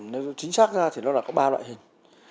nếu nói chính xác ra nó là có ba loại hình